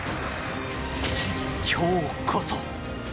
今日こそ。